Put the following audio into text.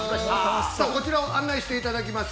さあ、こちらを案内していただきます。